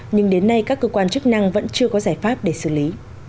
nhưng đến nay các cơ quan chức năng vẫn chưa có giải pháp để xử lý